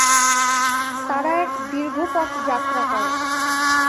তারা এক দীর্ঘ পথ যাত্রা করে।